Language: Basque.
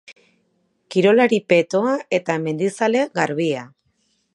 Kirolari petoa eta mendizale garbia.